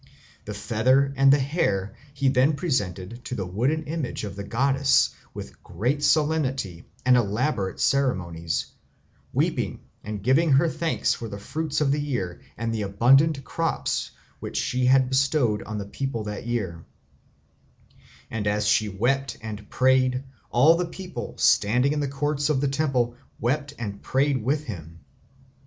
The feather and the hair he then presented to the wooden image of the goddess with great solemnity and elaborate ceremonies, weeping and giving her thanks for the fruits of the earth and the abundant crops which she had bestowed on the people that year; and as he wept and prayed, all the people, standing in the courts of the temple, wept and prayed with him.